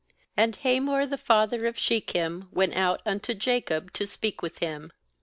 6And Hamor the father of Shechem went out unto Jacob to speak with him.